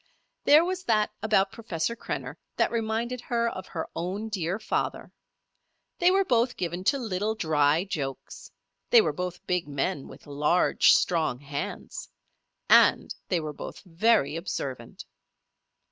There was that about Professor Krenner that reminded her of her own dear father. They were both given to little, dry jokes; they were both big men, with large, strong hands; and they were both very observant.